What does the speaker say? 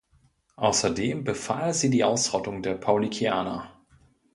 Außerdem befahl sie die Ausrottung der Paulikianer.